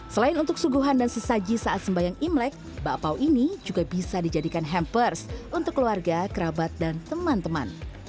selain untuk suguhan dan sesaji saat sembayang imlek bakpao ini juga bisa dijadikan hampers untuk keluarga kerabat dan teman teman